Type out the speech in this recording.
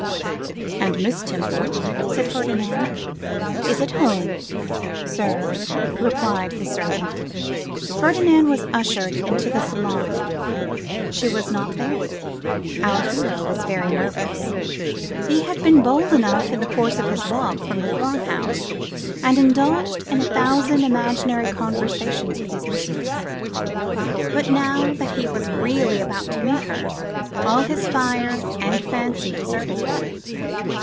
'And Miss Temple?' said Ferdinand. 'Is at home, Sir,' replied the servant. Ferdinand was ushered into the salon. She was not there. Our hero was very nervous; he had been bold enough in the course of his walk from the farmhouse, and indulged in a thousand imaginary conversations with his mistress; but, now that he was really about to meet her, all his fire and fancy deserted him.